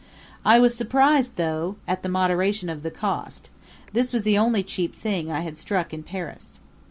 I was surprised, though, at the moderation of the cost; this was the only cheap thing I had struck in Paris.